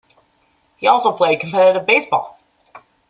He also played competitive baseball.